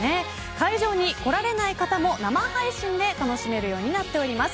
会場に来られない方も生配信で楽しめるようになっています。